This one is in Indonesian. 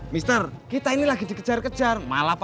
mr kita ini lagi dikejar kejar